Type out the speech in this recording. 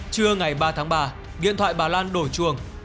trưa ngày ba tháng ba điện thoại bà lan đổi chuồng